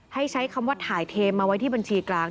ใช้คำว่าถ่ายเทมาไว้ที่บัญชีกลาง